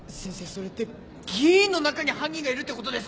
それって議員の中に犯人がいるってことですか？